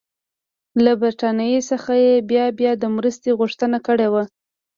له برټانیې څخه یې بیا بیا د مرستې غوښتنه کړې وه.